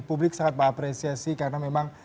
publik sangat mengapresiasi karena memang